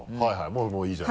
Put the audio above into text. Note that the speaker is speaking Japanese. あぁいいじゃん。